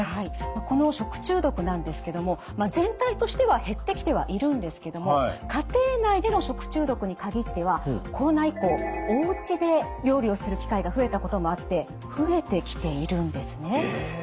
この食中毒なんですけども全体としては減ってきてはいるんですけども家庭内での食中毒に限ってはコロナ以降おうちで料理をする機会が増えたこともあって増えてきているんですね。